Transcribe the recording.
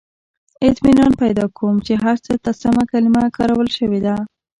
• اطمینان پیدا کوم، چې هر څه ته سمه کلمه کارول شوې ده.